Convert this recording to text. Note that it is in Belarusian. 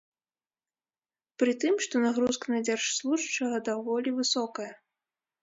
Пры тым, што нагрузка на дзяржслужачага даволі высокая.